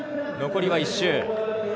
残り１周。